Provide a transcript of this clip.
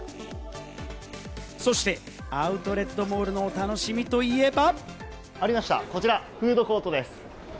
そして、アウトレットモールのお楽しみといえば。